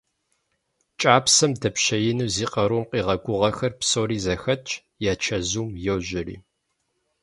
КӀапсэм дэпщеину зи къарум къигъэгугъэхэр псори зэхэтщ, я чэзум йожьэри.